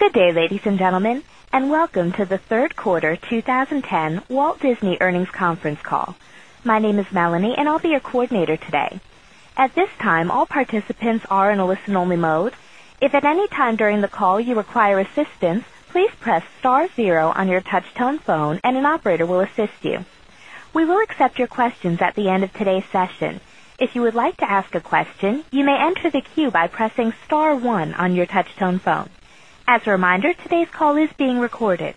Good day, ladies and gentlemen, and welcome to the Third Quarter 2010 Walt Disney Earnings Conference Call. My name is Melanie, and I'll be your coordinator today. At this time, all participants are in a listen only mode. 10. We will accept your questions at the end of today's session. As a reminder, today's call is being recorded.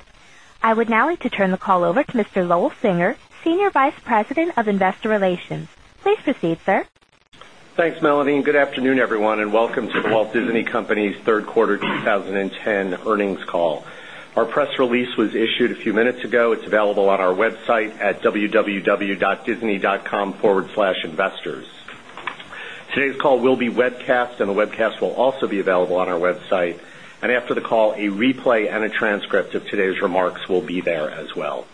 I would now like to turn the call over to Mr. Lowell Singer, Senior Vice President of Investor Relations. Please proceed, sir. Thanks, Melanie, and good afternoon, everyone, and welcome to The Walt Disney Company's Q3 2010 earnings call. Our press release was issued a few minutes ago. It's available on our website at www.disney.com/investors. Today's call will be webcast and the webcast will also be available on our website. And after the call, a replay and a transcript of today's remarks will be there as well.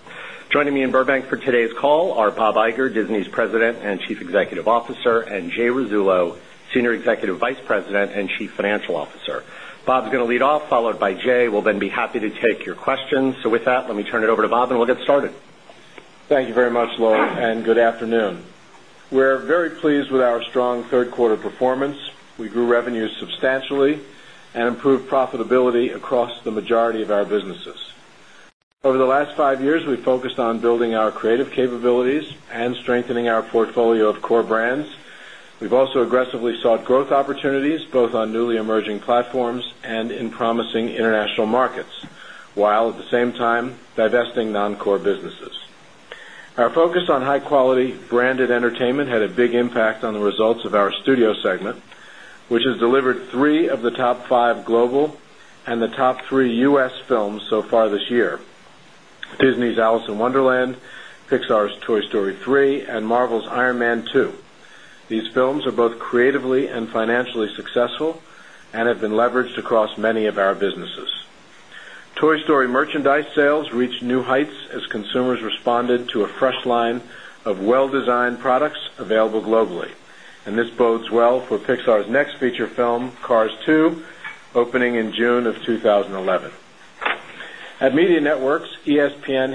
Joining me in Burbank for 10. Today's call are Bob Iger, Disney's President and Chief Executive Officer and Jay Rizzolo, Senior Executive Vice President and Chief Financial Officer. Bob is going to lead off followed by Jay, who will then be happy to take your questions. So with that, let me turn it over to Bob and we'll get started. Thank you very much, Laura, and good afternoon. We're very pleased with our strong Q3 performance. We grew revenues substantially and improved profitability across the majority of our businesses. Over the last 5 years, we focused on building our creative capabilities and strengthening our portfolio of core brands. We've also aggressively growth opportunities both on newly emerging platforms and in promising international markets, while at the same time divesting non core businesses. Our focus on high quality branded entertainment had a big impact on the results of our studio segment, which has delivered of our businesses. Toy Story merchandise sales reached new heights as consumers responded to a fresh line of well designed products available globally. And this bodes well for Pixar's next feature film Cars 2 opening in June of 2011. At Media Networks, ESPN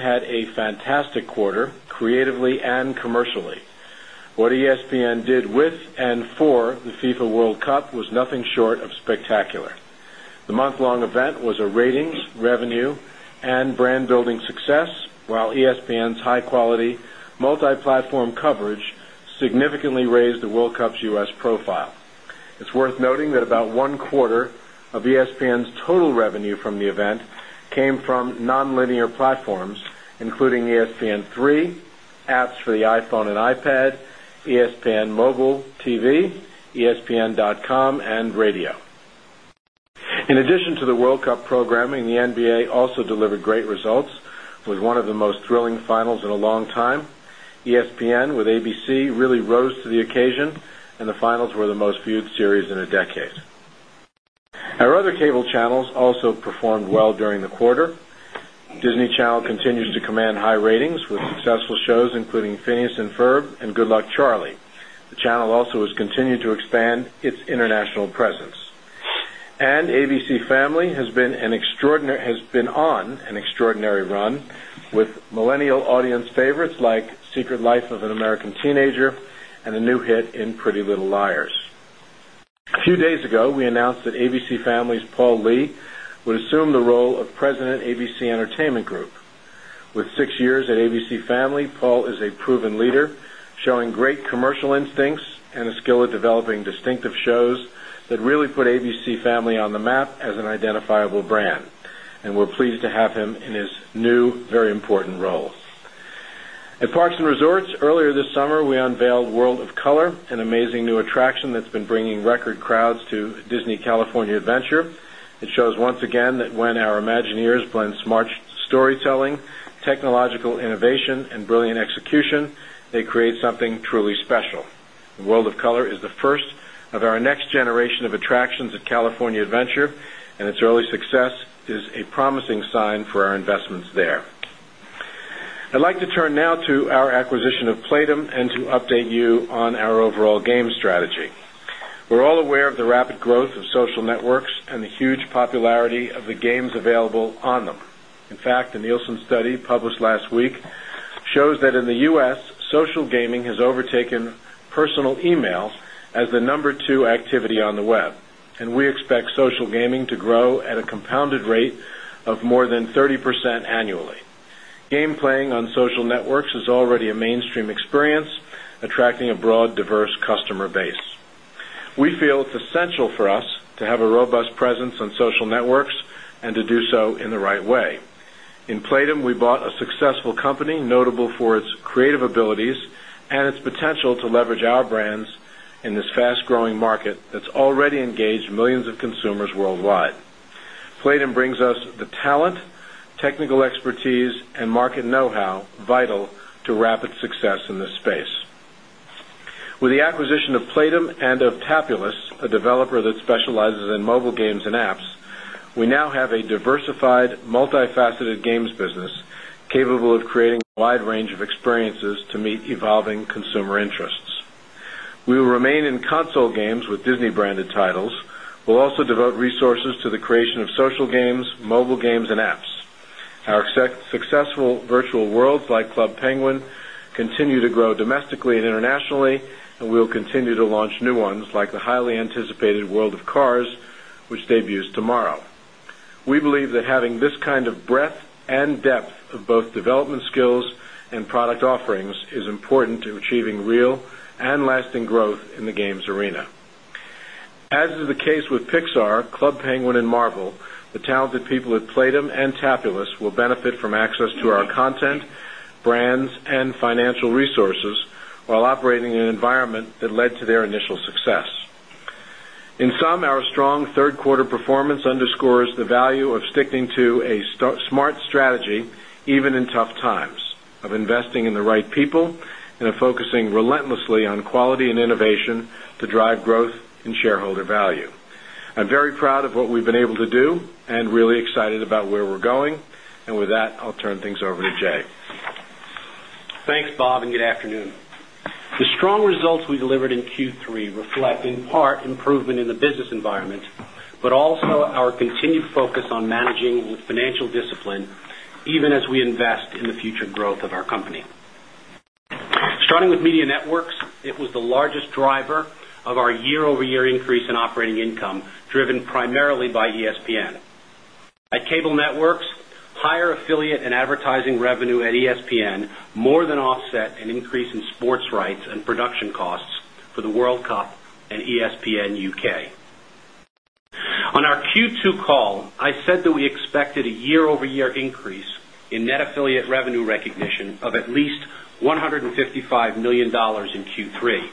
came from nonlinear platforms including ESPN 3, apps for the iPhone and iPad, ESPN Mobile The finals were the most viewed series in a decade. Our other cable channels also performed well during the quarter. Disney Channel continues to command high ratings with successful shows including Phineas and Ferb and Good Luck Charlie. The channel also has continue to expand its international presence. And ABC Family has been an extraordinary has been on an extraordinary run with millennial audience favorites like Secret Life of an American Teenager and a new hit in Pretty Little Liars. Few days ago, we announced that ABC Family's Paul Lee would assume the role of President ABC Entertainment Group. With 6 years at ABC Family, 10. Paul is a proven leader, showing great commercial instincts and a skill at developing distinctive shows that really put ABC Family on the map as an identifiable brand, and we're pleased to have him in his new very important role. At Parks and Resorts, earlier this summer, we unveiled World Color, an amazing new attraction that's been bringing record crowds to Disney California Adventure. It shows once again that when our Imagineers blend smart 10. The World of Color is the first of our next generation of attractions at California Adventure, and its early success is a promising sign for our investments there. I'd like to turn now to our acquisition of Playdum and to update you on our overall game strategy. We're all aware of the rapid growth of social networks and the huge popularity of the games available on them. In fact, the Nielsen study published last week shows that in the U. S, social gaming has overtaken personal emails as the number 2 activity on the web, and we expect social gaming to grow at a compounded rate of more than 30% annually. Game playing and its potential to leverage our brands in this fast growing market that's already engaged millions of consumers worldwide. Playdum brings us the talent, technical expertise and market know how vital to rapid success in this space. With the acquisition of Playdum and of Tapulous, a developer that specializes in mobile games and apps, we now have a diversified multifaceted games business capable of creating a wide range of experiences to meet evolving consumer interests. We will remain in console games with Disney branded titles. We'll also devote resources to the creation of social games, mobile games and apps. Our successful virtual worlds like Club Penguin continue to grow domestically And we will continue to launch new ones like the highly anticipated World of Cars, which debuts tomorrow. We believe that having this kind of breadth and depth of both development skills and product offerings is important to achieving real and lasting growth in the games arena. As is the case with Pixar, Club Penguin and Marvel, the talented people at Playdum and Tapulous will benefit from access to our content, Brands and Financial Resources, while operating in an environment that led to their initial success. In 10. Our strong Q3 performance underscores the value of sticking to a smart strategy even in tough times of investing in the right people and focusing relentlessly on quality and innovation to drive growth and shareholder value. I'm very proud of what we've been able to do and really excited about where we're going. And with that, I'll turn things over to Jay. Thanks, Bob, and good afternoon. The strong results we delivered in Q3 reflect in part improvement in the business environment, but also our continued focus on managing with financial discipline even as we invest in the future growth of our company. Starting with Media Networks, it was the largest driver of our year over year increase in operating call. I said that we expected a year over year increase in net affiliate revenue recognition of at least $155,000,000 in Q3.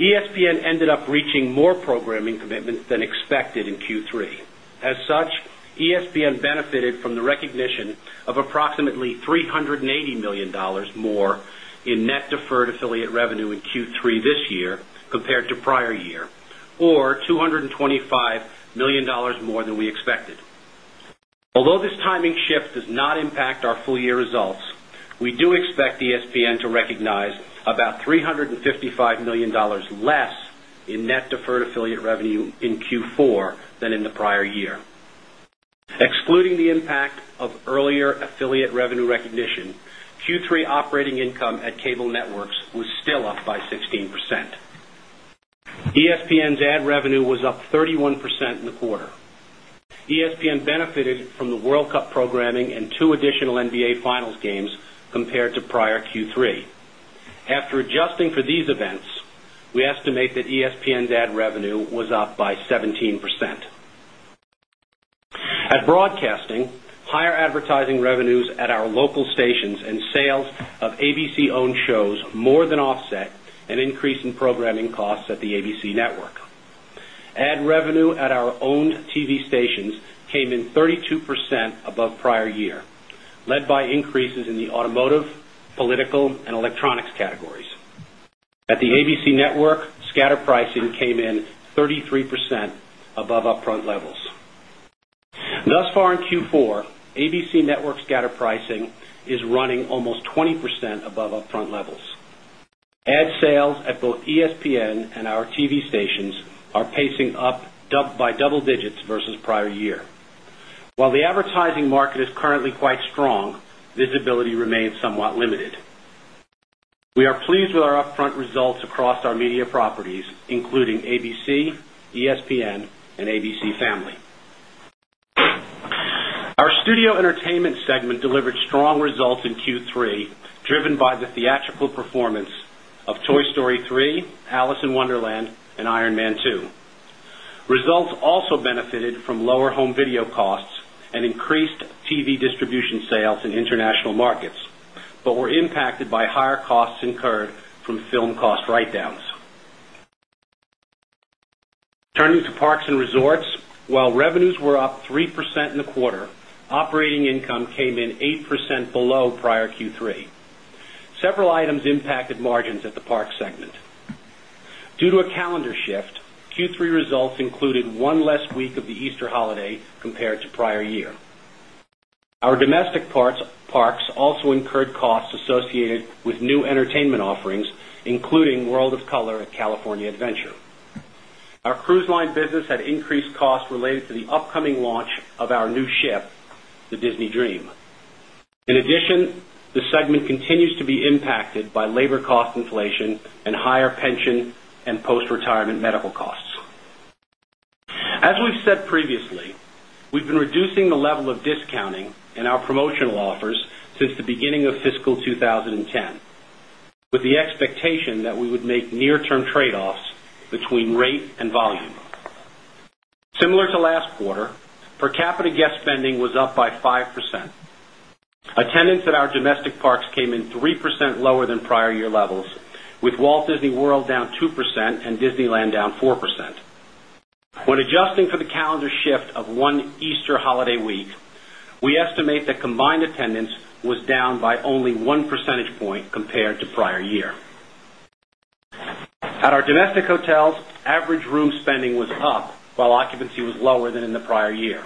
ESPN ended up reaching more programming commitments than expected in Q3. As such, ESPN benefited from the recognition of approximately $380,000,000 more in net deferred affiliate revenue in Q3 this compared to prior year or $225,000,000 more than we expected. Although this timing shift does not impact our full year results, We do expect ESPN to recognize about $355,000,000 less in net deferred affiliate revenue in Q4 than in the prior year. Excluding the impact of earlier affiliate revenue recognition, Q3 operating income at Cable Networks was still up by 10. ESPN's ad revenue was up 31% in the quarter. ESPN benefited from the World Cup Programming and 2 additional NBA Finals games compared to prior Q3. After adjusting for these events, we estimate that 10. At Broadcasting, higher advertising revenues at our local stations and sales of ABC owned shows more than offset an increase in programming costs at the ABC network. 10. At the ABC network, scatter pricing came in 33% above upfront levels. Thus far in Q4, ABC Network scatter pricing is running almost 20% above upfront levels. Ad sales at both ESPN and our TV stations are pacing up by double digits versus prior year. While the advertising market is currently quite strong, visibility remains somewhat limited. We are pleased with our upfront results across our media properties, including ABC, ESPN and ABC Family. TV distribution sales in international markets, but were impacted by higher costs incurred from film cost write downs. Turning to Parks and Resorts. While revenues were up 3% in the quarter, operating income came in 8% below prior Q3. Several items impacted margins at the Park segment. Due to a calendar shift, Q3 results 10. Our domestic parks also incurred costs associated with new entertainment offerings, including World of Color at California Adventure. Our cruise line business had increased impacted by labor cost inflation and higher pension and postretirement medical costs. As we've said previously, We've been reducing the level of discounting in our promotional offers since the beginning of fiscal 2010, with the expectation that we would make near term trade offs between rate and volume. Similar to last quarter, per capita guest spending was up by 5%. Attendance at our domestic parks came in 3% lower than shift of 1 Easter holiday week. We estimate that combined attendance was down by only 1 percentage point compared to prior year. At our domestic hotels, average room spending was up, while occupancy was lower than in the prior year.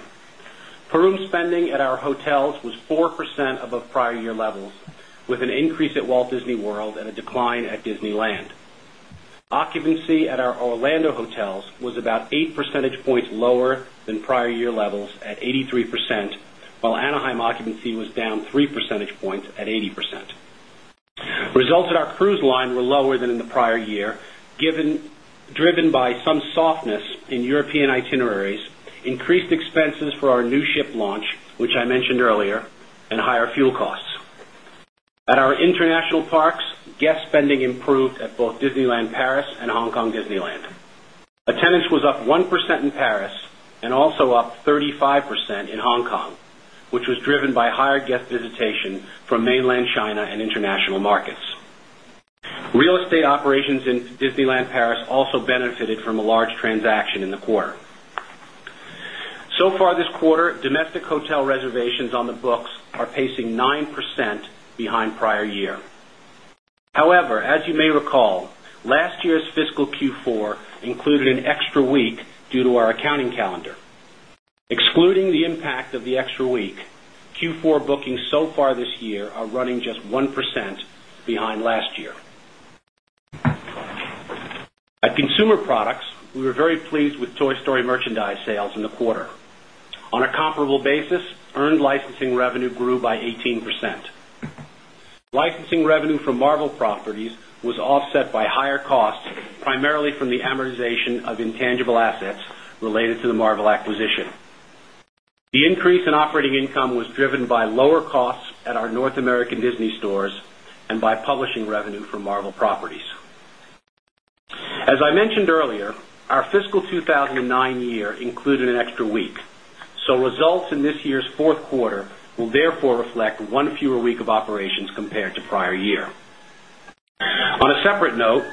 Per room spending at our hotels was 4% above prior year levels with an increase at Walt Disney World and a decline at Disneyland. Occupancy at our Orlando hotels was about 8 percentage points lower than prior year levels at 83%, while Anaheim occupancy was down 3 percentage 10. Results at our cruise line were lower than in the prior year, given driven by some softness in European itineraries, increased 10. Increased expenses for our new ship launch, which I mentioned earlier, and higher fuel costs. At our international parks, guest spending improved at both Disneyland Paris and Hong Kong Disneyland. Attendance was up 1% in Paris and also up 35% in Hong Kong, which was driven by higher guest visitation from Mainland China and International Markets. Real estate operations in Disneyland Paris also benefited from a large transaction in the quarter. So far this quarter, domestic hotel reservations on the books are pacing 9% behind prior year. However, as you may recall, last year's fiscal Q4 included an extra week due to our accounting calendar. Excluding the impact of the extra week, Q4 bookings so far this year are running just 1% behind last year. At Consumer Products, we were very pleased with Toy Story merchandise sales in the quarter. On a comparable basis earned licensing revenue grew by 18%. Licensing revenue from Marvel Properties was offset by higher costs, primarily from the amortization of intangible assets related to the Marvel acquisition. The increase in operating income was driven by lower costs at our North American Disney Stores and by publishing revenue from Marvel Properties. As I mentioned earlier, Our fiscal 2019 year included an extra week, so results in this year's Q4 will therefore reflect 1 fewer week of operations compared to prior year. On a separate note,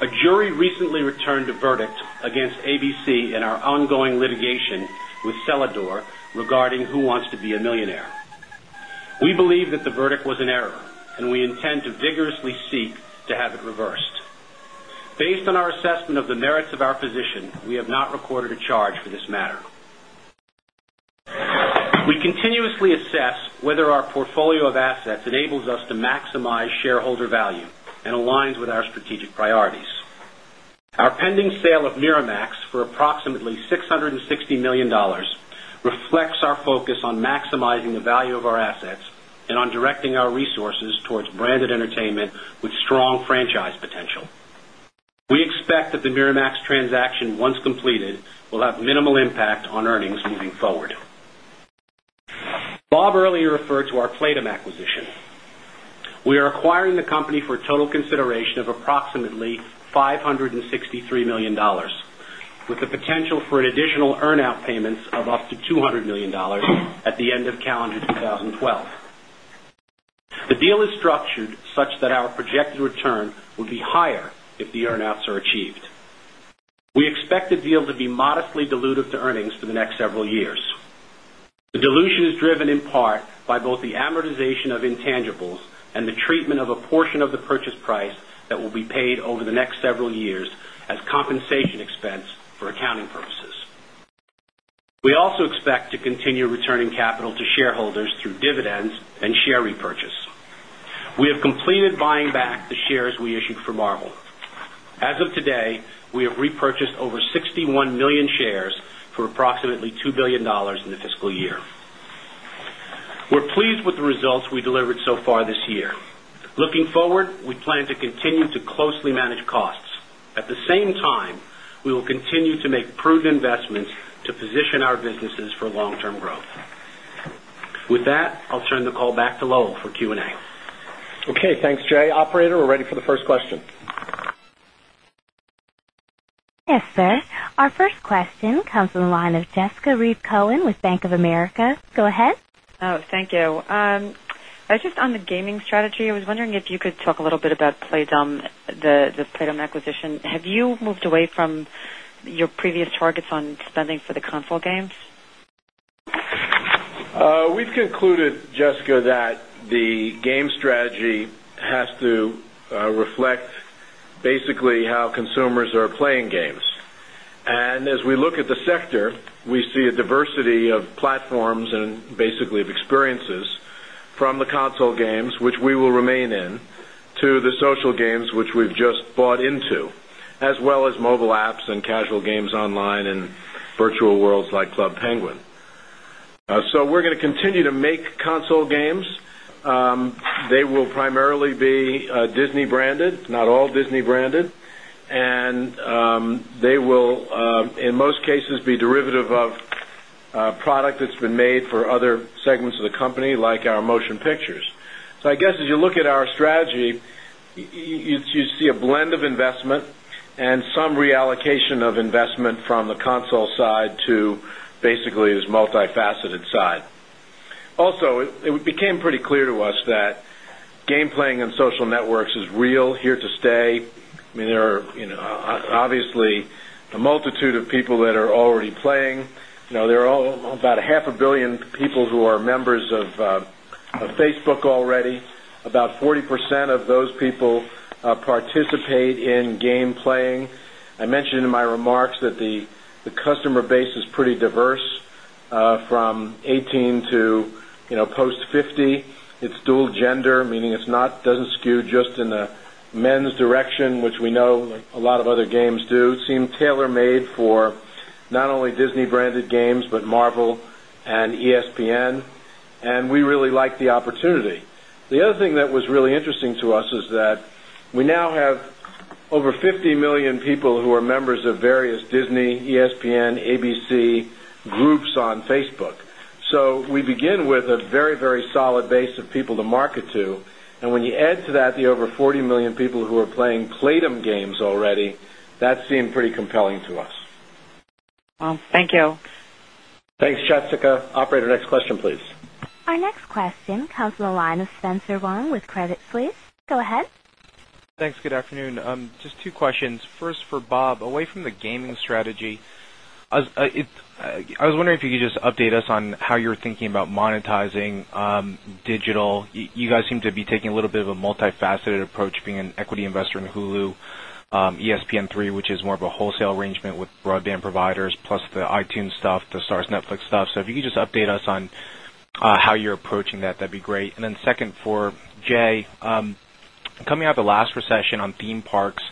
a jury recently returned a verdict against ABC and our ongoing litigation with Celadore regarding who wants to be a millionaire. We believe that the verdict was an error, and we intend to vigorously seek to have it reversed. Based on our assessment of the merits of our position, we have not recorded a charge for this matter. We continuously assess whether our portfolio of assets enables us to maximize shareholder value and aligns with our strategic priorities. Our pending sale of MiraMAX for approximately $660,000,000 reflects focus on maximizing the value of our assets and on directing our resources towards branded entertainment with strong franchise potential. We expect that the Miramax transaction, once completed, will have minimal impact on earnings moving forward. Bob earlier referred to our PLATEM acquisition. We are acquiring the company for a total consideration 10. With the potential for an additional earn out payments of up to $200,000,000 at the end of calendar 2012. The deal is structured such that our projected return would be higher if the earn outs are achieved. We expect the deal to be modestly dilutive to earnings for the next several years. The dilution is driven in part by both the amortization of intangibles and the treatment of a portion of the purchase price that will be paid over the next several years as compensation expense for accounting purposes. We also expect to continue returning capital to shareholders through dividends and share repurchase. We have completed buying back the shares We're pleased with the results we delivered so far this year. Looking forward, we plan to continue to closely manage costs. At the same I'll turn the call back to Lowell for Q and A. Okay. Thanks, Jay. Operator, we're ready for the first question. Yes, sir. Our first question comes from the line of Jessica Reeb Cohen with Bank of America. Go ahead. Thank you. Just on the gaming strategy, I was wondering if you could talk a little bit about Playdome the Playdome acquisition. Have you moved away from your previous targets on spending for the console games. We've concluded Jessica that the game strategy We see a diversity of platforms and basically of experiences from the console games, which we will remain in, to the social games which we've just bought into, as well as mobile apps and casual games online and virtual worlds like Club Penguin. So we're going to continue to make console games. They will primarily be Disney branded, not all Disney branded. And they will, in most cases, be derivative of product that's been made for other segments of the company some reallocation of investment from the console side to basically this multifaceted side. Also, it became pretty clear to us that game playing in social networks is real, here to stay. I mean, there are obviously a multitude of people that are already playing. There are About 500,000,000 people who are members of Facebook already, about 40% of those people It's dual gender, meaning it's not doesn't skew just in the men's direction, which we know a lot of other games do. It seemed made for not only Disney branded games, but Marvel and ESPN, and we really like the opportunity. The other thing that was really interesting to us is that we now have over 50,000,000 people who are members of various Disney, ESPN, ABC Groups on Facebook. So we begin with a very, very solid base of people to market to and when you Add to that the over 40,000,000 people who are playing Playdum games already, that seemed pretty compelling to us. Thank you. Thanks, Jessica. Operator, next question please. Our next question comes from the line of Spencer Wong with Credit Suisse. Go ahead. Thanks. Good afternoon. Just two questions. First for Bob, away from the gaming strategy, I was wondering if you could just update us on how you're thinking about monetizing digital. You guys seem to be taking a little bit of a multifaceted approach being an equity investor in Hulu, ESPN 3, which is more of a wholesale arrangement with broadband providers plus the iTunes stuff, the Starz Netflix stuff. So if you could just update us on How you're approaching that, that'd be great. And then second for Jay, coming out of the last recession on theme parks,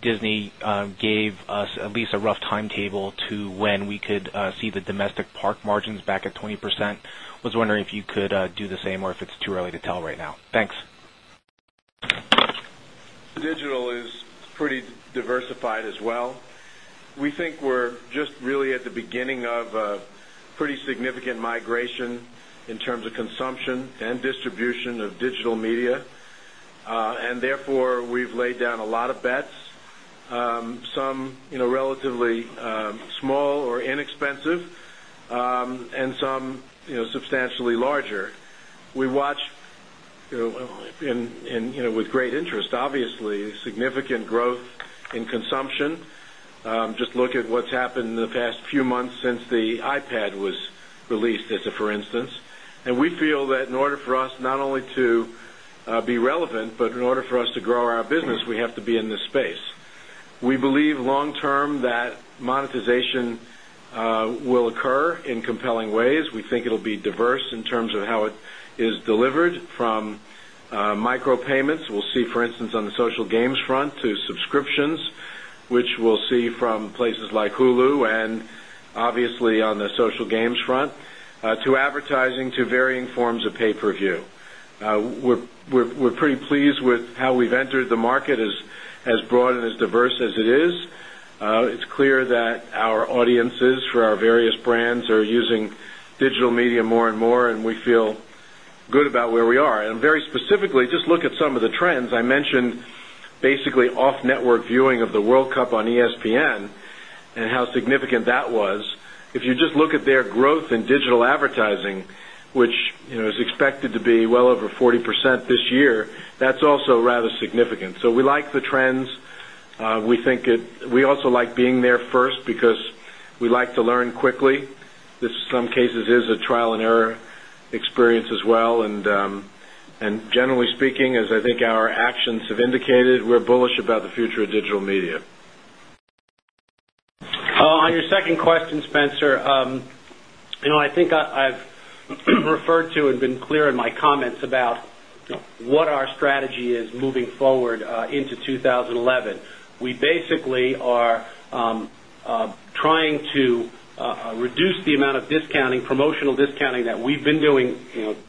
Disney Gave us at least a rough timetable to when we could see the domestic park margins back at 20%. I was wondering if you could do the same or if it's too early to tell right now. Thanks. Digital is pretty diversified as well. We think we're just really at the beginning of a Pretty significant migration in terms of consumption and distribution of digital media. And therefore, we've laid down a lot of bets, some relatively small or inexpensive and some substantially larger. We watch 10. And with great interest, obviously, significant growth in consumption. Just look at what's happened in the past few months since the iPad That was released as a for instance. And we feel that in order for us not only to be relevant, but in order for us to grow our business, we have to be in this space. We believe long term that monetization will occur in compelling ways. We think it will be diverse in terms of how it Is delivered from micro payments, we'll see for instance on the social games front to subscriptions, Which we'll see from places like Hulu and obviously on the social games front to advertising to varying forms of pay per view. We're pretty pleased with how we've entered the market as broad and as diverse as it is. It's It's clear that our audiences for our various brands are using digital media more and more, and we feel Good about where we are and very specifically just look at some of the trends. I mentioned basically off network viewing of the World Cup on ESPN And how significant that was. If you just look at their growth in digital advertising, which is expected to be Well over 40% this year, that's also rather significant. So we like the trends. We think it we also Like being there first because we like to learn quickly. This in some cases is a trial and error experience as well. And generally speaking, as I think our actions have indicated, we're bullish about the future of digital media. On your second question, Spencer, I think I've referred to and been clear in my comments about what our strategy is moving forward into 2011. We basically are trying to reduced the amount of discounting, promotional discounting that we've been doing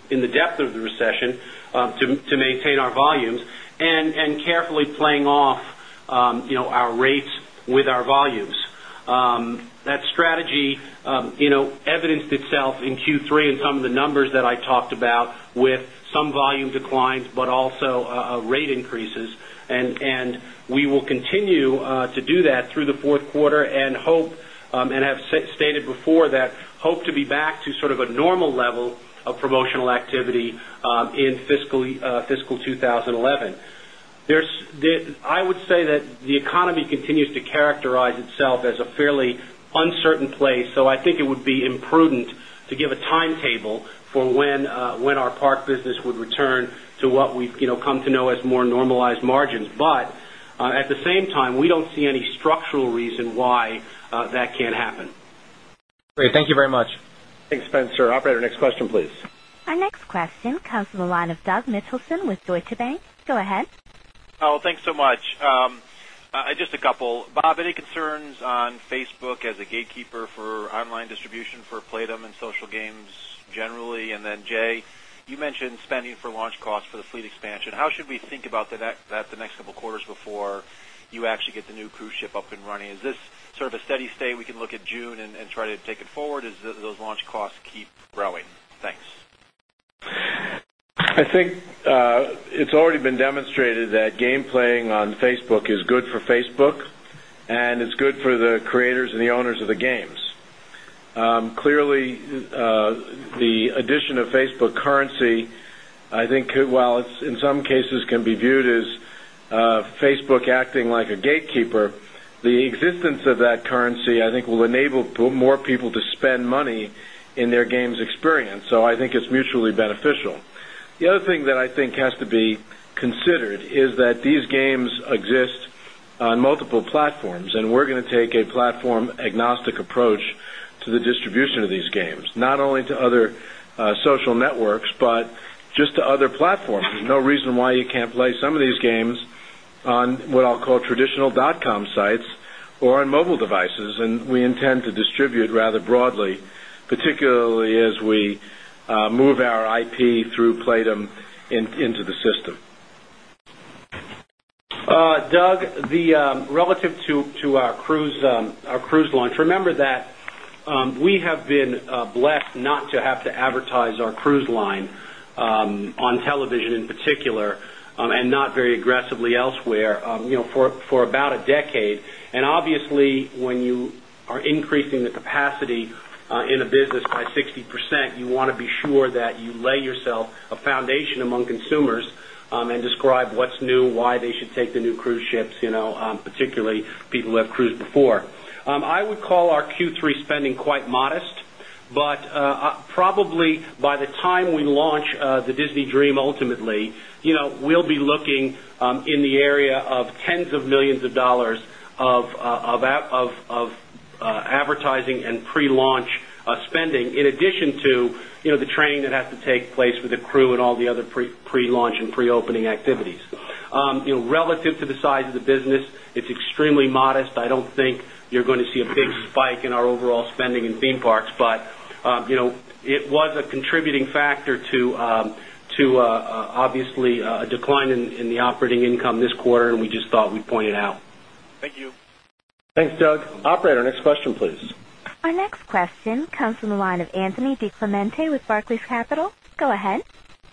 in the depth of the recession to maintain our volumes And carefully playing off our rates with our volumes. That strategy evidenced itself in Q3 10. Some of the numbers that I talked about with some volume declines, but also rate increases. And we will 10 promotional activity in fiscal 2011. I would say that the economy continues to 10. So I think it would be imprudent to give a timetable for When our Park business would return to what we've come to know as more normalized margins. But at the same time, we don't see any structural reason why That can't happen. Great. Thank you very much. Thanks, Spencer. Operator, next question please. Our next question comes from the line of Doug Mitchelson with Deutsche Bank. Go ahead. Thanks so much. Just a couple. Bob, any concerns on Facebook as a gatekeeper for online distribution for Play them in social games generally. And then Jay, you mentioned spending for launch costs for the fleet expansion. How should we think about The next couple of quarters before you actually get the new cruise ship up and running. Is this sort of a steady state we can look at June and try to take it forward as those launch costs keep growing? Thanks. I think it's already been demonstrated that game playing on Facebook is good for Facebook and it's good for the creators and the owners of the games. Clearly, the addition of Facebook currency, I think, well, it's in some cases can be viewed as Facebook acting like a gatekeeper. The existence of that currency, I think, will enable more people spend money in their games experience. So I think it's mutually beneficial. The other thing that I think has to be considered is that these games exist on multiple platforms, and we're going to take a platform agnostic approach to the distribution of these games, not only to other social networks, but just to other platforms. There's no reason why you can't play some of these games on what I'll call traditional.com sites or on mobile devices, and we intend to distribute rather broadly, particularly as we move our IP through PLATEM into the system. Doug, The relative to our cruise launch, remember that we have been blessed not Have to advertise our cruise line on television in particular and not very aggressively elsewhere for about a decade. And obviously, when you are increasing the capacity in a business by 60%, you want to be sure that you lay yourself 10. And describe what's new, why they should take the new cruise ships, particularly people who have cruised before. I would call our Q3 spending quite modest, but probably by the time we launch the Disney Dream ultimately, we'll be looking in the area of tens of 1,000,000 of dollars of advertising and prelaunch spending in addition The training that has to take place with the crew and all the other prelaunch and preopening activities. Relative to the size of the business, Obviously, a decline in the operating income this quarter and we just thought we'd point it out. Thank you. Thanks, Doug. Operator, next question please. Our next question comes from the line of Anthony DiClemente with Barclays Capital. Go ahead.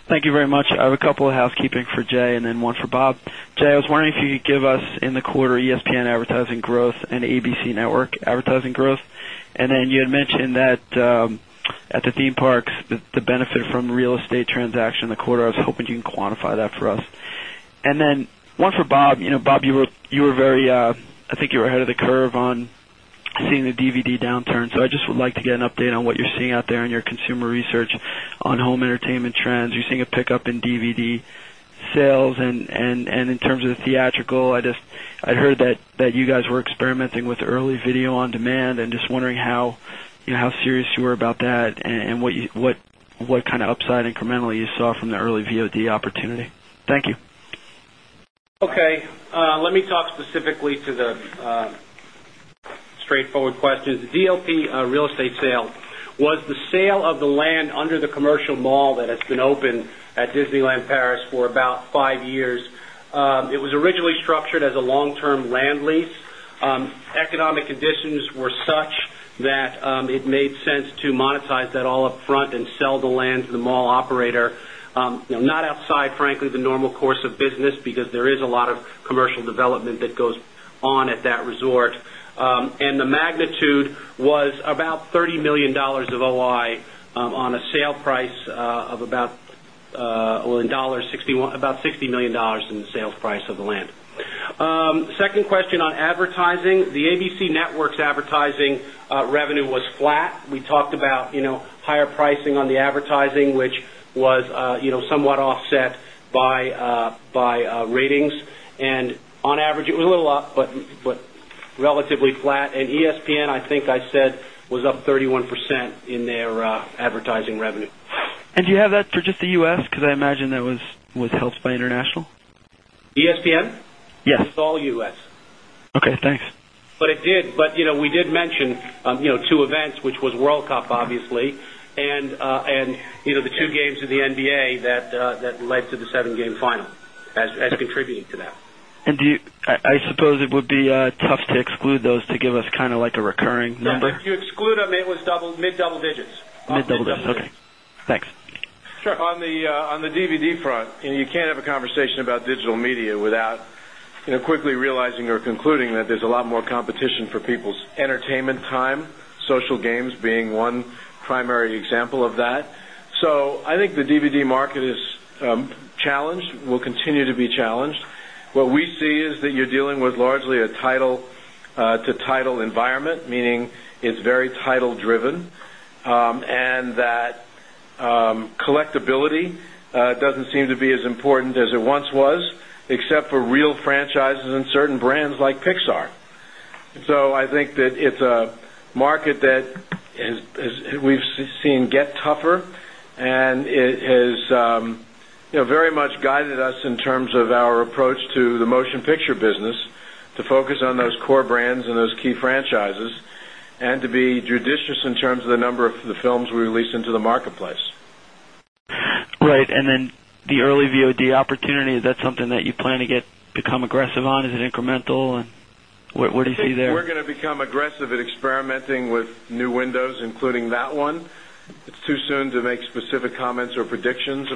Thank you very much. I have a couple of housekeeping for Jay and then one for Bob. Jay, I was wondering if you could give us in the quarter ESPN advertising growth and ABC Network advertising growth. And then you had mentioned that At the theme parks, the benefit from real estate transaction in the quarter, I was hoping you can quantify that for us. And then one for Bob. Bob, You were very I think you were ahead of the curve on seeing the DVD downturn. So I just would like to get an update on what you're seeing out there in consumer research on home entertainment trends. You're seeing a pickup in DVD sales and in terms of theatrical, I just I heard That you guys were experimenting with early video on demand. I'm just wondering how serious you were about that and What kind of upside incrementally you saw from the early VOD opportunity? Thank you. Okay. Let me talk specifically to the straightforward questions. DLP Real Estate Sale was the sale of the land under the commercial mall that has been opened at Disneyland Paris for about 5 years. It was originally structured as a long term land lease. Economic conditions were such that it made sense to monetize that 10. Not outside, frankly, the normal course of business because there is a lot of commercial development that goes on at that resort. And the magnitude was about $30,000,000 of OI on a sale price of about $1.61 about $60,000,000 in the sales price of the land. Second question on advertising, the ABC Networks advertising Revenue was flat. We talked about higher pricing on the advertising, which was somewhat offset by ratings. And on average, it was a little up, but relatively flat. And ESPN, I think I said, Was up 31% in their advertising revenue. And do you have that for just the U. S. Because I imagine that was helped by international? ESPN? Yes. It's all U. S. Okay, thanks. But it did but we did mention 2 events, which was World Cup obviously, and And the 2 games in the NBA that led to the 7 game final as contributing to that. And do you I suppose it would be Tough to exclude those to give us kind of like a recurring number. If you exclude them, it was double mid double digits. Mid double digits. Okay. Thanks. Sure. On the DVD front, you can't have a conversation about digital media without quickly realizing or concluding that there's a lot more competition for people's entertainment time, social games being 1, 10. So I think the CBD market is challenged, will continue to be challenged. What we see is that you're dealing with largely a title to title environment, meaning it's It's very title driven and that collectibility doesn't seem to be as important as it once was Except for real franchises and certain brands like Pixar. So I think that it's a market that we've seen get tougher and it has very much guided us in terms of our approach to the motion picture business to focus on those core brands in those key franchises and to be judicious in terms of the number of the films we release into the marketplace. Right. And then the early VOD opportunity, is that something that you plan to get become aggressive on? Is it incremental? What did you say there? We're going to become aggressive at experimenting with new windows including that one. It's too soon to make specific comments or predictions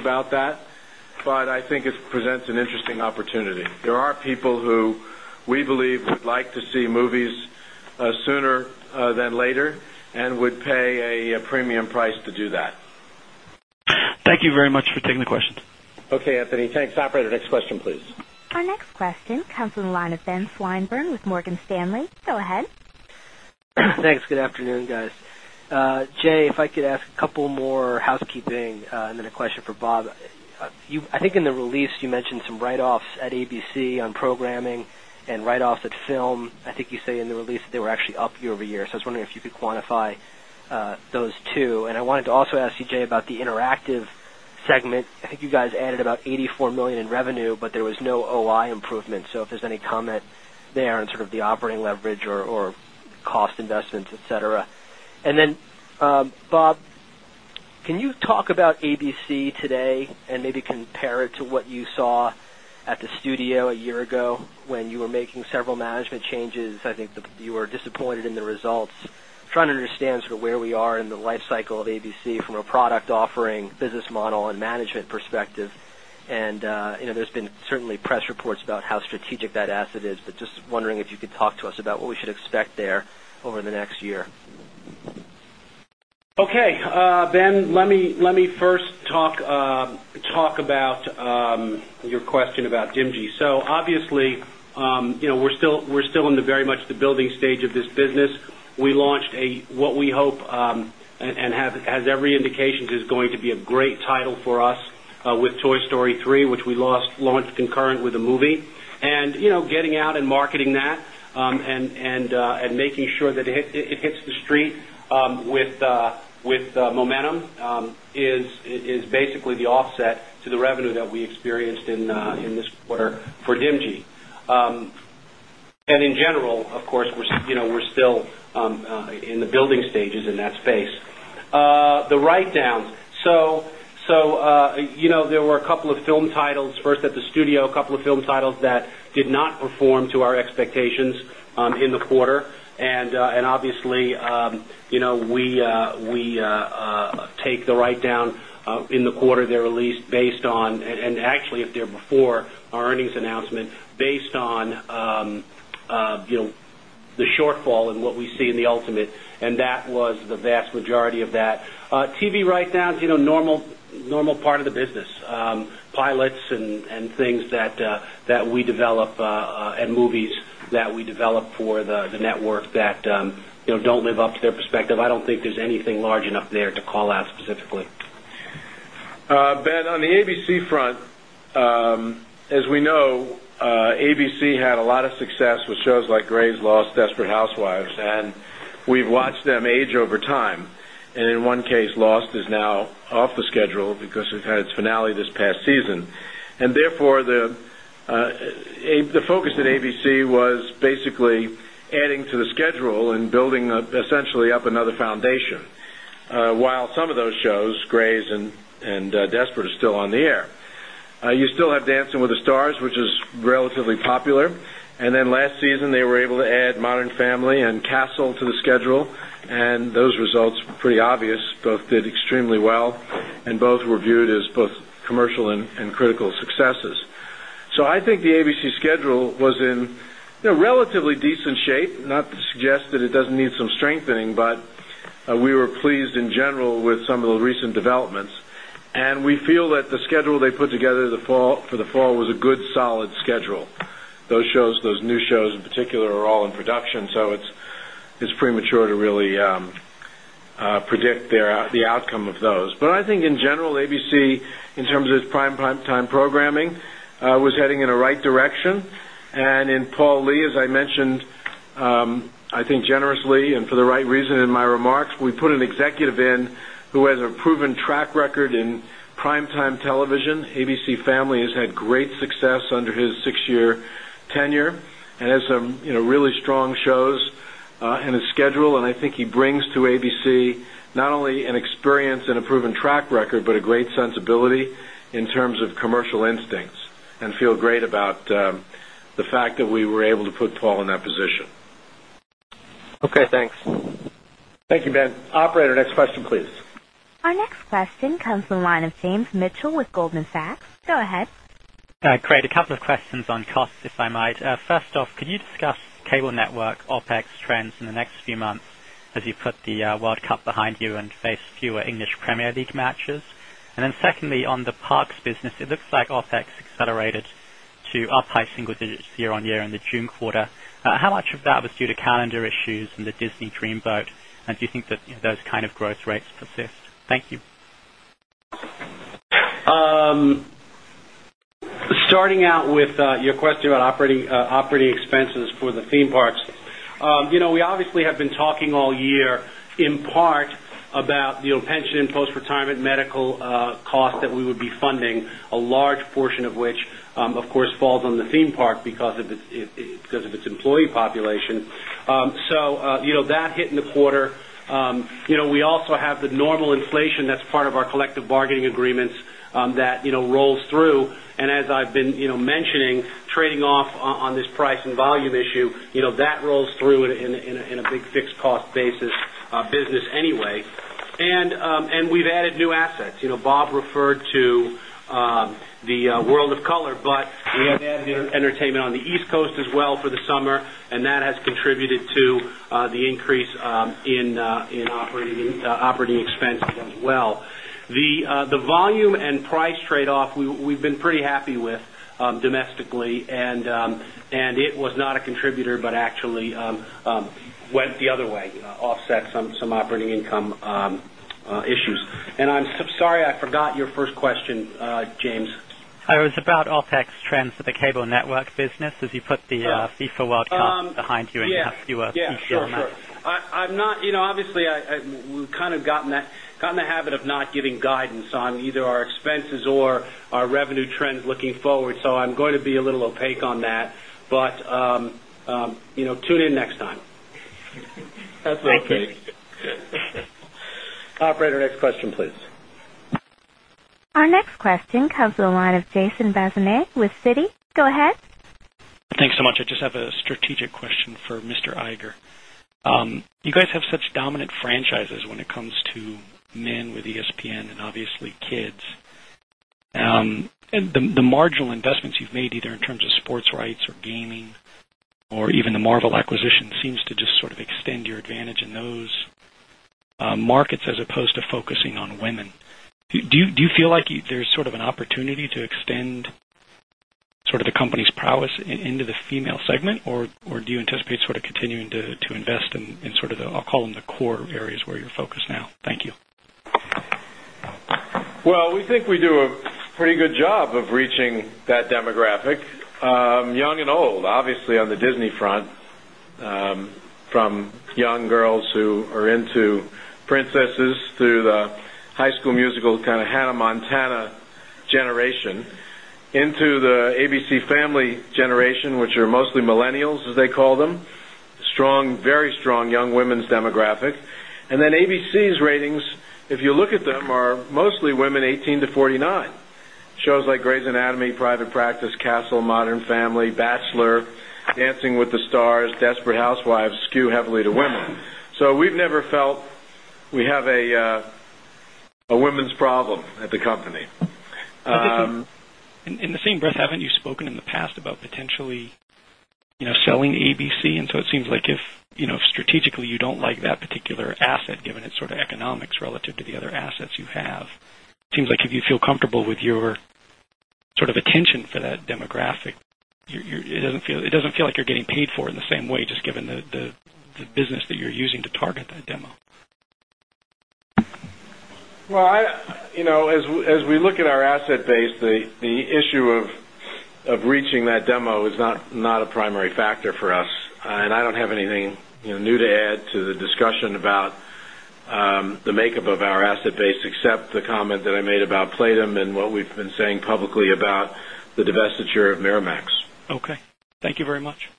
And would pay a premium price to do that. Thank you very much for taking the question. Okay, Anthony. Thanks. Operator, next question please. Our next question comes from the line of Ben Swinburne with Morgan Stanley. Go ahead. Thanks. Good afternoon, guys. Jay, if I could ask a couple more housekeeping and then a question for Bob. I think in the release you mentioned some write offs at ABC on programming and write offs at film. I think you say in the release they were actually up year over year. So I was wondering if you could quantify Those 2. And I wanted to also ask CJ about the interactive segment. I think you guys added about $84,000,000 in revenue, but there was no OI improvement. So if there's any comment And sort of the operating leverage or cost investments, etcetera. And then, Bob, Can you talk about ABC today and maybe compare it to what you saw at the studio a year ago when you were making several management changes? I think You were disappointed in the results. Trying to understand sort of where we are in the lifecycle of ABC from a product offering, business model and management perspective. And there's been certainly press reports about how strategic that asset is, but just wondering if you could talk to us about what we should expect there over the next year. Okay. Ben, let me first talk about your question about DMG. So obviously, we're still 10. Very much the building stage of this business. We launched a what we hope and has every indication is going to Great title for us with Toy Story 3, which we launched concurrent with the movie and getting out and marketing that 10. First at the studio, a couple of film titles that did not perform to our expectations in the quarter. And obviously, We take the write down in the quarter they released based on and actually, if they're before our earnings announcement, TV write downs, normal part of the business, pilots and things that we develop and movies that we developed for the network that don't live up to their perspective. I don't think there's anything large enough there to call out specifically. Ben, And on the ABC front, as we know, ABC had a lot of success with shows like Grey's Lost, Desperate Housewives, and We've watched them age over time. And in one case, Lost is now off the schedule because we've had its finale this past And therefore, the focus at ABC was basically adding to the schedule role in building essentially up another foundation. While some of those shows, Grey's and Desperate, are still on the air. 10. You still have Dancing With the Stars, which is relatively popular. And then last season, they were able to add Modern Family and Castle to schedule and those results were pretty obvious, both did extremely well and both were viewed as both commercial and critical successes. So I think the ABC schedule was in relatively decent shape, not to suggest that it doesn't need some strengthening, but we were pleased in general with some of the recent developments. And we feel that the schedule they put together for the fall was a good solid schedule. Those shows, those new shows They're all in production, so it's premature to really predict the outcome of those. But I I think in general, ABC in terms of prime primetime programming was heading in the right direction. And in Paul Lee, as I mentioned, I think 10. And for the right reason in my remarks, we put an executive in who has a proven track record in primetime television. 10. I think he brings to ABC not only an experience and a proven track record, but a great sensibility in terms of commercial instincts And feel great about the fact that we were able to put Paul in that position. Okay, thanks. Thank you, Ben. Operator, next question please. Our next question comes from the line of James Mitchell with Goldman Sachs. Go ahead. Great. A couple of questions on costs, if I might. First off, could you discuss cable network OpEx trends in the next few months as you put The World Cup behind you and face fewer English Premier League matches. And then secondly, on the Parks business, it looks like OpEx accelerated To up high single digits year on year in the June quarter. How much of that was due to calendar issues in the Disney Dream Boat? And do you think that those kind of growth rates persist? Thank you. Starting out with your question about operating expenses for the theme parks. We obviously have been talking all year in part about pension postretirement medical cost that we would be funding, A large portion of which, of course, falls on the theme park because of its employee population. So that hit in the quarter. We also have the normal inflation that's part of our collective bargaining agreements that rolls through. And as I've been Mentioning trading off on this price and volume issue, that rolls through in a big fixed cost basis business anyway. And we've added new assets. Bob referred to the World of Color, but we have added The volume and price trade off, we've been pretty happy with domestically, and it was not a contributor, but actually Went the other way, offset some operating income issues. And I'm sorry, I forgot your first question, James. It was About OpEx trends for the cable network business as you put the FIFA World Cup behind you and ask you a few more questions. Yes, sure. I'm Obviously, we've kind of gotten that got in the habit of not giving guidance on either our expenses or our revenue trends looking forward. So I'm going to be Little opaque on that, but tune in next time. Operator, next question please. Our next question comes from the line of Jason Bazinet with Citi. Go ahead. Thanks so much. I just have a strategic question for Mr. Iger. You guys have such dominant franchises when it comes to Men with ESPN and obviously kids. The marginal investments you've made either in terms of sports rights or gaming Or even the Marvel acquisition seems to just sort of extend your advantage in those markets as opposed to focusing on women. Do you feel like there's sort of an opportunity to extend sort of the company's prowess into the female segment? Or do you anticipate sort of continuing to invest in sort of the, I'll call them, the core areas where you're focused now? Thank you. Well, we think we do a pretty good job of reaching that demographic, young and old, obviously, on the Disney front, from young girls who are into princesses through the High School Musical kind of Hannah Montana generation into the ABC family generation, which are mostly millennials as they call them, strong, very strong young women's demographic. And then ABC's ratings, if you look at them are mostly women 10. Shows like Grey's Anatomy, Private Practice, Castle, Modern Family, Bachelor, Dancing With the Stars, Desperate Housewives Askew heavily to women. So we've never felt we have a women's problem at the company. In the same breath, haven't you spoken in the past about potentially selling ABC? And so it seems like if strategically you don't like that Asset given its sort of economics relative to the other assets you have. It seems like if you feel comfortable with your sort of attention for that demographic, It doesn't feel like you're getting paid for in the same way just given the business that you're using to target that demo. Well, as we look at our asset base, the issue of reaching that 10. The comment that I made about PLATEM and what we've been saying publicly about the divestiture of Meramex. Okay. Thank you very much.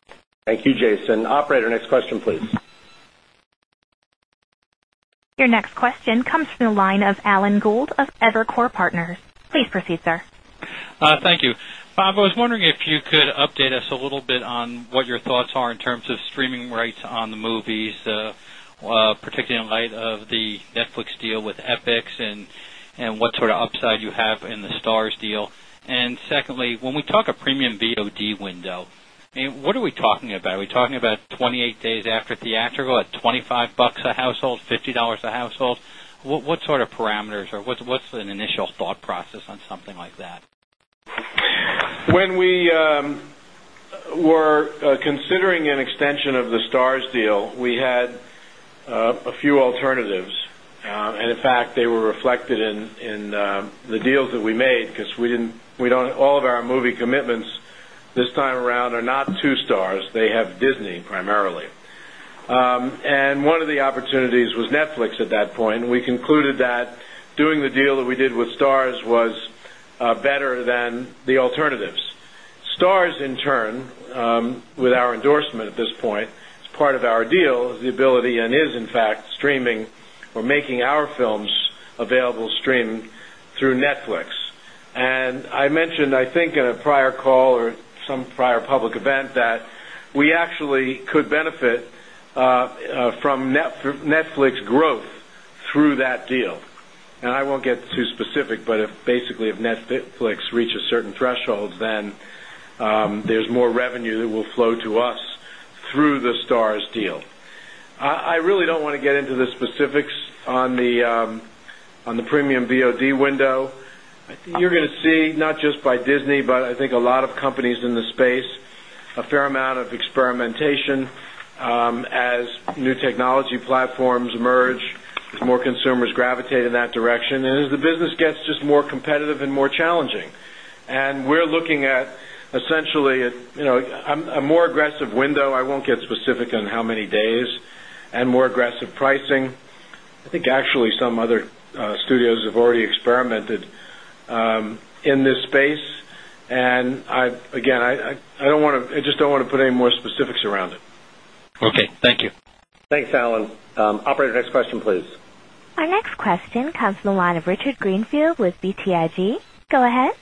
Thank you, Jason. Operator, next question please. Your next question comes from the line of Alan Gould of Evercore Partners. Please proceed, sir. Thank you. Bob, I was wondering if you could update us a little bit on what your thoughts are in terms of streaming rights on the movies, Particularly in light of the Netflix deal with Epix and what sort of upside you have in the Starz deal. And secondly, when we talk of premium VOD window, I mean, what are we talking about? Are we talking about 28 days after theatrical $25 a household, dollars 50 a household. What sort of parameters or what's an initial thought process on something like that? When we were considering an extension of the Starz deal, we had A few alternatives. And in fact, they were reflected in the deals that we made because we didn't we don't all of our movie commitments this time around are not 2 stars, they have Disney primarily. And one of the opportunities was Netflix at that point. We concluded that Doing the deal that we did with Starz was better than the alternatives. Starz in turn with our endorsement at this point. It's part of our deal is the ability and is in fact streaming or making our films available streaming through Netflix. And I mentioned, I think, in a prior call or some prior public event that we actually could benefit If Netflix reaches certain thresholds, then there's more revenue that will flow to us through the Starz deal. I really don't want to get into the specifics on the premium VOD window. You're going to see not by Disney, but I think a lot of companies in the space, a fair amount of experimentation, as new Technology platforms merge as more consumers gravitate in that direction and as the business gets just more competitive and more challenging. And we're looking at essentially a more aggressive window, I won't get specific on how many days, and more aggressive pricing. I think actually some other studios have already experimented in this space. And again, I just don't want to put any more specifics around it. Okay. Thank you. Thanks, Alan. Operator, next question please. Our next question comes from the line of Richard Greenfield with BTIG. Go ahead.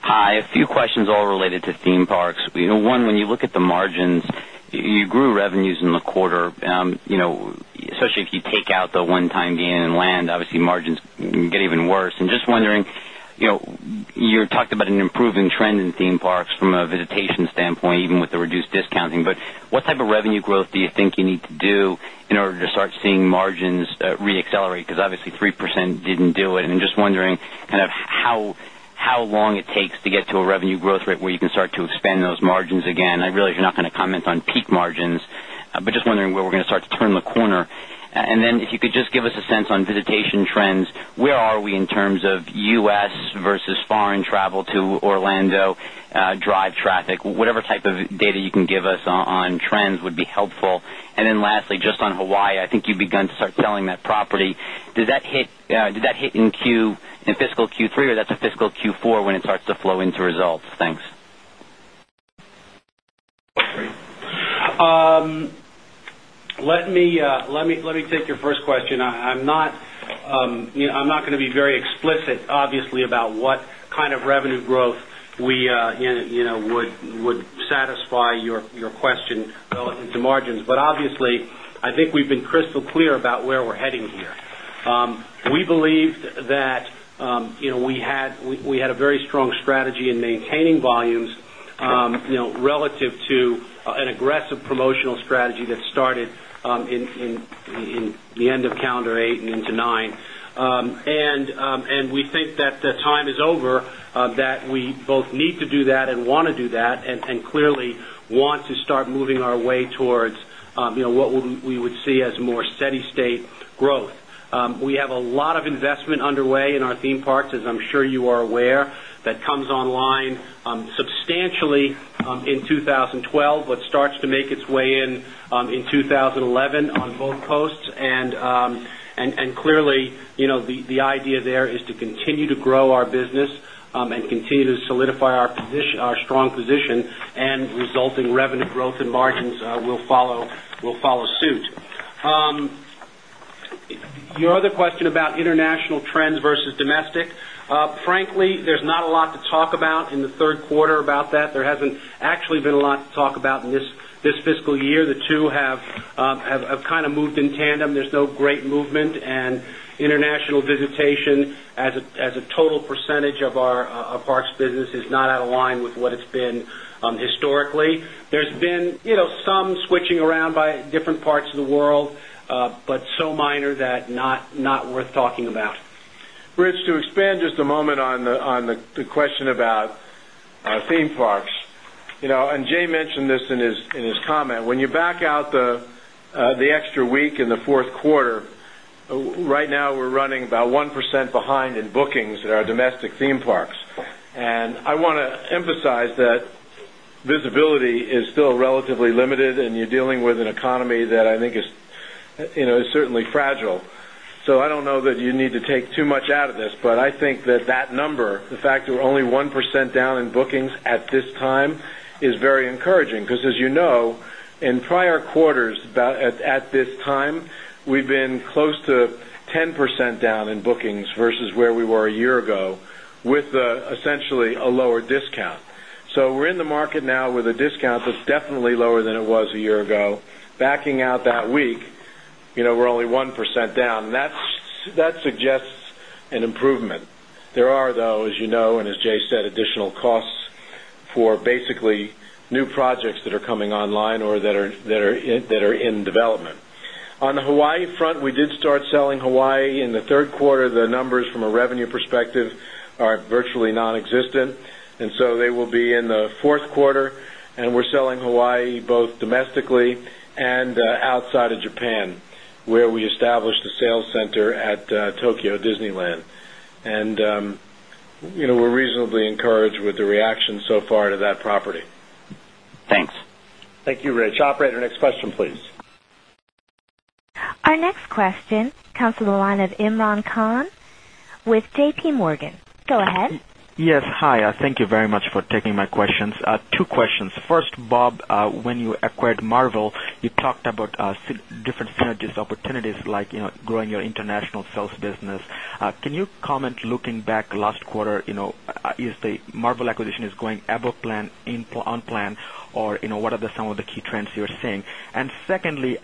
Hi. A few questions all related to theme parks. 1, when you look The margins, you grew revenues in the quarter, especially if you take out the one time gain in land, obviously margins Getting even worse. I'm just wondering, you talked about an improving trend in theme parks from a visitation standpoint even with the reduced discounting, but what type of revenue growth do you You need to do in order to start seeing margins reaccelerate because obviously 3% didn't do it. And I'm just wondering kind of How long it takes to get to a revenue growth rate where you can start to expand those margins again? I realize you're not going to comment on peak margins, but just wondering where we're going to start to turn the corner? And then if you could just give us a sense on visitation trends, where are we in terms of U. S. Versus foreign travel to Orlando drive traffic, Whatever type of data you can give us on trends would be helpful. And then lastly, just on Hawaii, I think you've begun to start selling that property. Did that hit in Q in fiscal Q3 or that's a fiscal Q4 when it starts to flow into results? Thanks. Let me take your first question. I'm not going to be very explicit obviously about what kind of revenue growth we would satisfy your question Margins, but obviously, I think we've been crystal clear about where we're heading here. We believed that we had 10. Very strong strategy in maintaining volumes relative to an aggressive promotional strategy that Started in the end of calendar 8 and into 9. And we think that the time is over We both need to do that and want to do that and clearly want to start moving our way towards what we would 10. We have a lot of investment underway in our theme parks, as I'm sure you are aware, that 10. Substantially in 2012, but starts to make its way in 2011 on both coasts. And clearly, the idea there is to continue to grow our business and continue to solidify Our strong position and resulting revenue growth and margins will follow suit. Your other question about international trends versus domestic, frankly, there's not a lot to talk about in The Q3 about that, there hasn't actually been a lot to talk about in this fiscal year. The 2 have kind of moved 10. There's no great movement and international visitation as a total percentage of our parks business is not out of line with what it's been Historically, there's been some switching around by different parts of the world, but so minor that not worth talking about. Rich, to expand just a moment on the question about theme parks, and Jay mentioned 10. In his comment, when you back out the extra week in the Q4, right now, we're running about 1% behind in bookings at our domestic theme parks. And I want to emphasize that visibility is still relatively limited and you're dealing with an economy that I think It's certainly fragile. So I don't know that you need to take too much out of this, but I think that that number, the fact that we're only 1% down in bookings at 10. 10. 10% down in bookings versus where we were a year ago with essentially a lower discount. So we're in the market now with a discount that's definitely lower than it was a year ago. Backing out that week, we're only 1 10. That suggests an improvement. There are though, as you know, and as Jay said, additional costs for basically new projects that are coming online or that are in development. On the Hawaii front, we did start selling Hawaii in the Q3. The numbers from a revenue are virtually non existent and so they will be in the Q4 and we're selling Hawaii both domestically and outside of Japan We're encouraged with the reaction so far to that property. Thanks. Thank you, Rich. Operator, next question please. Our next question comes from the line of Imran Khan with JPMorgan. Go ahead. Yes. Hi. Thank you very much for taking my questions. Two questions. First, Bob, when you acquired Marvel, you talked about different synergies opportunities like Growing your international sales business. Can you comment looking back last quarter, is the Marvel acquisition is going 10. On plan or what are the some of the key trends you're seeing? And secondly,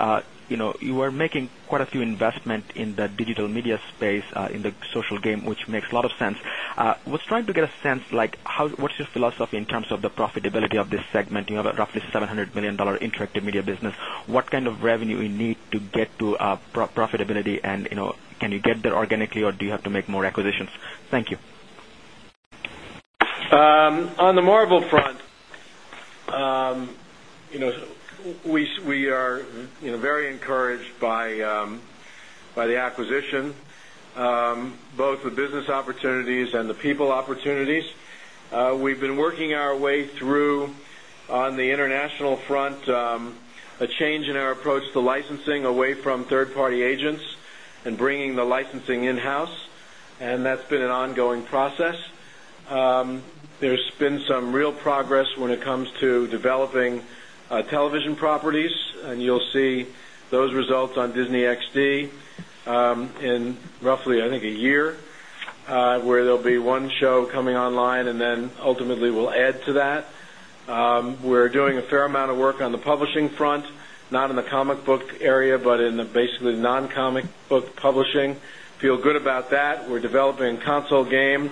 you were making quite a few investment in the digital media space in the social game, which makes a lot of sense. I was trying to get a sense like how what's your philosophy in terms of the profitability of this segment, roughly 700,000,000 Interactive Media business. What kind of revenue we need to get to profitability and can you get there organically or do you have to make more acquisitions? Thank you. On the Marvel front, we are very encouraged Working our way through on the international front, a change in our approach to licensing away from third party agents and bringing the licensing in house, and that's been an ongoing process. There's been some real progress when it comes to developing television properties, and you'll see those results on Disney XD in roughly, I think, a year, where There'll be one show coming online and then ultimately we'll add to that. We're doing a fair amount of work on the publishing front, not in the comic book area, but in 10. Basically non comic book publishing, feel good about that. We're developing console game.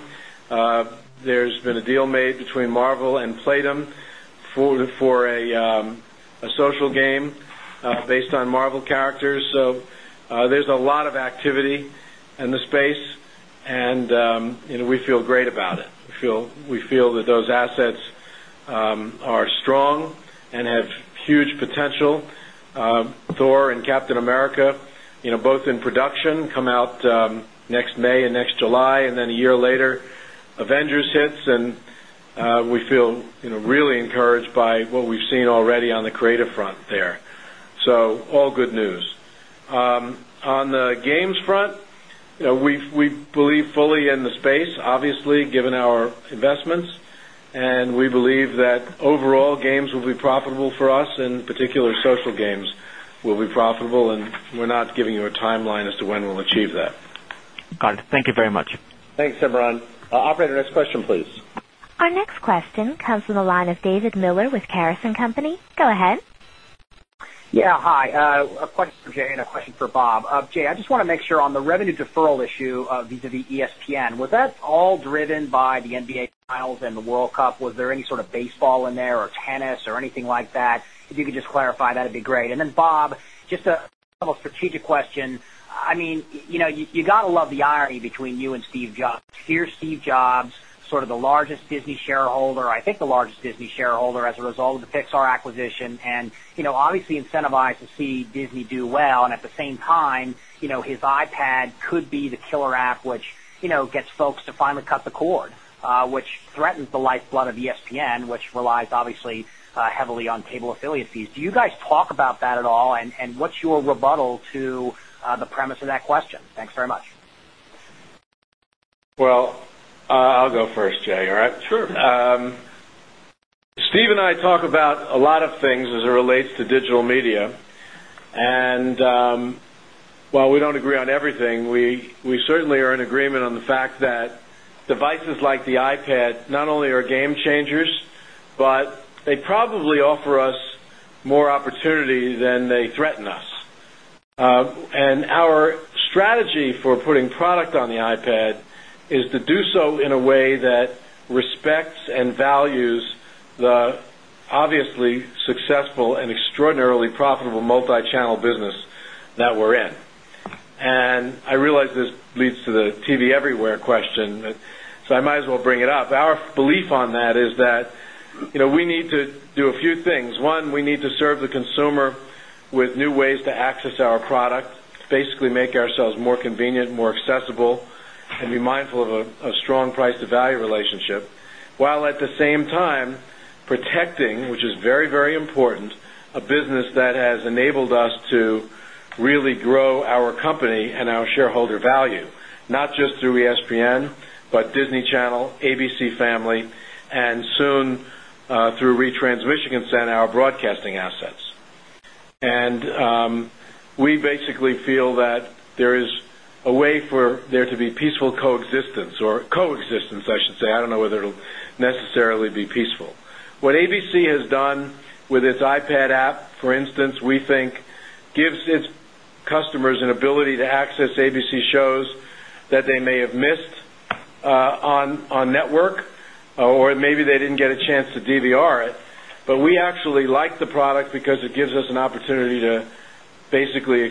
There's been a deal made between Marvel and Playdum For a social game based on Marvel characters. So there's a lot of activity in the space And we feel great about it. We feel that those assets are strong and have huge potential. Thor and Captain America, both in production come out next May and next July and then a year later, Avengers hits and We feel really encouraged by what we've seen already on the creative front there. So all good news. On the games front, we believe fully in the space, obviously, given our investments. And we believe that overall games will be profitable for us, in particular, social games will be profitable, and we're not giving you a time line as When we'll achieve that. Got it. Thank you very much. Thanks, Semoran. Operator, next question please. Our next question comes from the line of David Miller with Tariff and Company. Go ahead. Yes. Hi. A question for Jay and a question for Bob. Jay, I just want to make sure on the revenue deferral issue visavis Ian, was that all driven by the NBA finals and the World Cup? Was there any sort of baseball in there or tennis or anything like that? If you could just clarify that would be great. And then Bob, Just a strategic question. I mean, you got to love the irony between you and Steve Jobs. Here's Steve Jobs, Sort of the largest Disney shareholder, I think the largest Disney shareholder as a result of the Pixar acquisition and obviously incentivized to see Disney do well. And at the same His iPad could be the killer app, which gets folks to finally cut the cord, which threatens the lifeblood of ESPN, which relies obviously Heavily on table affiliate fees. Do you guys talk about that at all? And what's your rebuttal to the premise of that question? Thanks very much. Well, I'll go first, Jay. All right. Sure. Steve and I talk about a lot of things as it relates to Digital Media. And while we don't agree on everything, we certainly are in agreement on the fact that Devices like the iPad not only are game changers, but they probably offer us more opportunity than they threaten us. And our strategy for putting product on the iPad is to do so in a way that respects and values the obviously successful and extraordinarily profitable multichannel business that we're in. And I realize this Leads to the TV Everywhere question, so I might as well bring it up. Our belief on that is that we need to do a few things. 1, we need to 10. A strong price to value relationship, while at the same time protecting, which is very, very important, A business that has enabled us to really grow our company and our shareholder value, not just through ESPN, but 10. And soon through retransmission and send our broadcasting assets. And we basically feel that there is a way for there to be peaceful coexistence or coexistence, I should say, I don't know whether it will necessarily be peaceful. What ABC has done with its iPad app, for instance, we think gives its customers and ability to access ABC shows that they may have missed on network Or maybe they didn't get a chance to DVR it, but we actually like the product because it gives us an opportunity to basically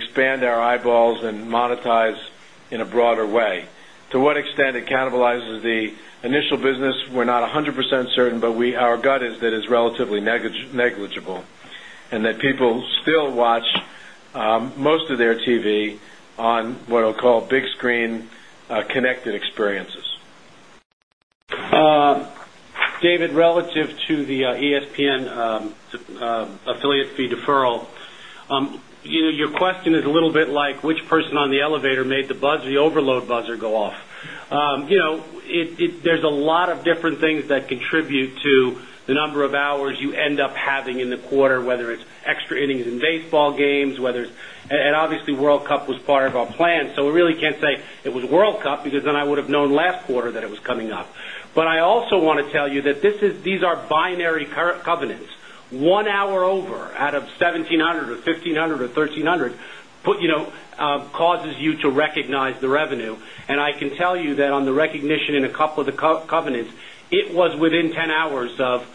uncertain, but we our gut is that it's relatively negligible and that people still watch most of their TV on what I'll call big screen connected experiences. David, relative to the ESPN affiliate fee deferral. Your question is a little bit like which person on the elevator made the buzz, the overload buzzer go off. There's a lot of different things that contribute to the number of hours you end up having in the quarter, Whether it's extra innings in baseball games, whether it's and obviously World Cup was part of our plan. So we really can't say it was World Because then I would have known last quarter that it was coming up. But I also want to tell you that this is these are binary covenants. 1 hour over out of 1700 or 10. 1500 or 1300 causes you to recognize the revenue. And I can tell you that on the recognition in a couple of the covenants, It was within 10 hours of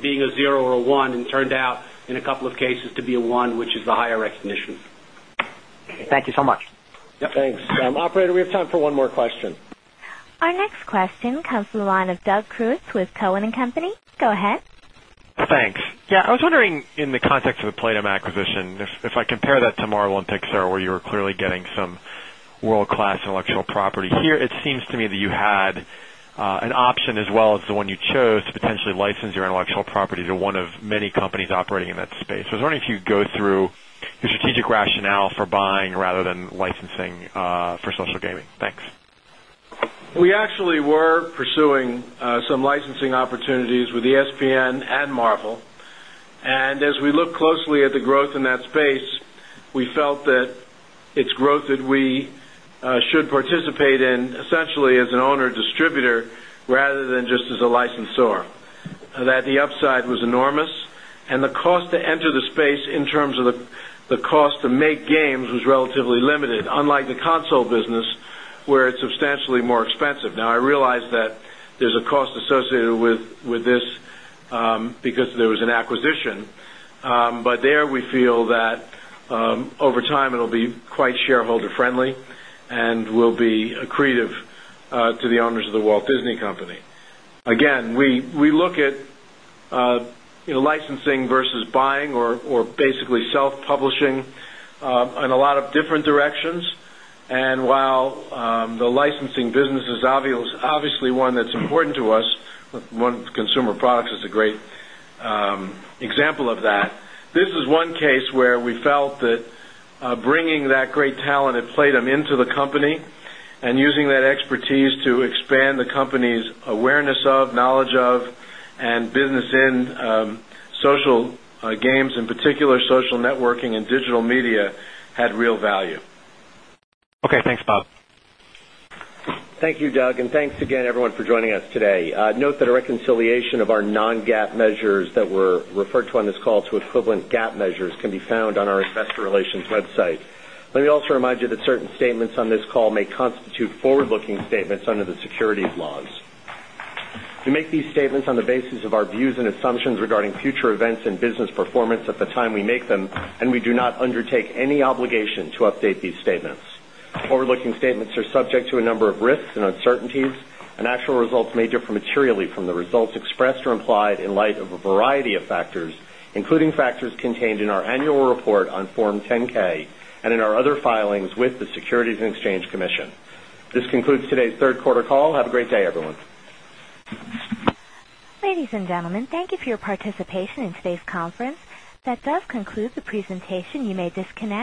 being a 0 or a 1 and turned out in a couple of cases to be a 1, which is the higher recognition. Okay. Thank you so much. Yes. Thanks. Operator, we have time for one more question. Our next question comes from the line of Doug Creutz with Cowen and Company. Go ahead. Thanks. Yes, I was wondering in the context of the Play Dohme acquisition, if I compare that to MarOlympics, where you're clearly getting some world class intellectual property here. It seems to me that you had an option as well as the one you chose to potentially license your intellectual property to one of companies operating in that space. I was wondering if you could go through your strategic rationale for buying rather than licensing for social gaming. Thanks. We actually were pursuing some licensing opportunities with ESPN and Marvel. And as we look closely at the growth in that space, we felt that it's growth that we should participate 10. Essentially as an owner distributor rather than just as a licensor. The upside was enormous and The cost to enter the space in terms of the cost to make games was relatively limited, unlike the console business, Where it's substantially more expensive. Now I realize that there's a cost associated with this because there was 10 acquisition, but there we feel that over time it will be quite shareholder friendly And we'll be accretive to the owners of The Walt Disney Company. Again, we look at Licensing versus buying or basically self publishing in a lot of different directions. And while the licensing business is obviously one that's important to us, consumer products is a great example of that. This is 10. Knowledge of and Business in Social Games, in particular, Social Networking and Digital Media had real value. Okay. Thanks, Bob. Thank you, Doug, and thanks again, everyone, for joining us today. Note that a reconciliation of our non GAAP measures that were constitute forward looking statements under the securities laws. We make these statements on the basis of our views and assumptions regarding future events and business performance at the time we make them and we do not undertake any obligation to update these statements. Forward looking statements are subject to a number of risks and uncertainties, and actual results 10. On Form 10 ks and in our other filings with the Securities and Exchange Commission. This concludes today's Q3 call. Have a great day, everyone. Ladies and gentlemen, thank you for your participation in today's conference. That does conclude the presentation. You may disconnect.